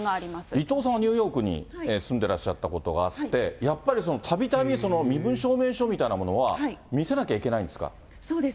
伊藤さんはニューヨークに住んでらっしゃったことがあって、やっぱりたびたび身分証明書みたいなものは見せなきゃいけないんそうです。